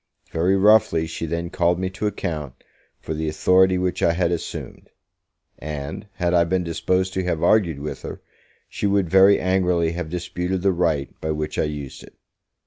Very roughly she then called me to account for the authority which I had assumed; and, had I been disposed to have argued with her, she would very angrily have disputed the right by which I used it.